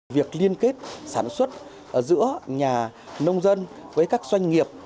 việc liên kết sản xuất giữa nhà nông dân với các doanh nghiệp